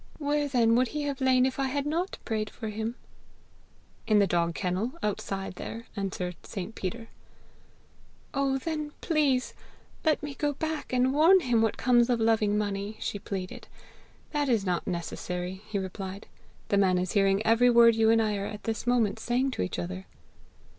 Where then would he have lain if I had not prayed for him?' 'In the dog kennel outside there,' answered St. Peter. 'Oh, then, please, let me go back and warn him what comes of loving money!' she pleaded. 'That is not necessary,' he replied; 'the man is hearing every word you and I are this moment saying to each other.'